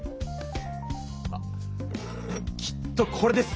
あきっとこれです！